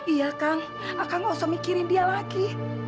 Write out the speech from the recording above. iya kang akang nggak usah mikirin dia lagi